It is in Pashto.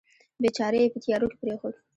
بیچاره یې په تیارو کې پرېښود.